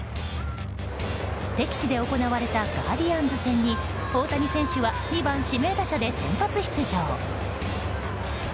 敵地で行われたガーディアンズ戦に大谷選手は２番指名打者で先発出場。